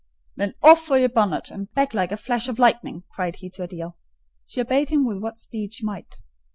"Then off for your bonnet, and back like a flash of lightning!" cried he to Adèle. She obeyed him with what speed she might.